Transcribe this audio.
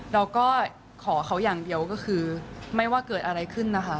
เราก็ขอเขาอย่างเดียวก็คือไม่ว่าเกิดอะไรขึ้นนะคะ